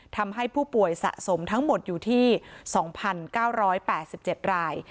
ทำให้ผู้ป่วยสะสมทั้งหมดอยู่ที่๒๙๘๗ราย